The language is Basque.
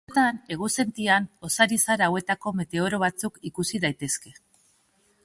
Batzuetan, egunsentian, ozar-izar hauetako meteoro batzuk ikusi daitezke.